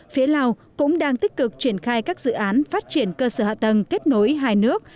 phía lào cũng đang tích cực triển khai các dự án phát triển cơ sở hạ tầng kết nối hai nước